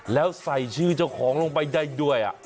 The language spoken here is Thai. แล้วใส่ชื่อเจ้าของลงไปได้ด้วย